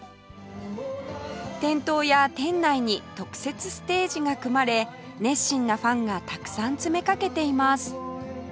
店頭や店内に特設ステージが組まれ熱心なファンがたくさん詰めかけています